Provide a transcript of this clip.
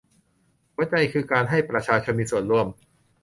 หัวใจคือการให้ประชาชนมีส่วนร่วม